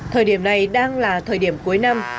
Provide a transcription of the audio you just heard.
thời điểm này đang là thời điểm cuối năm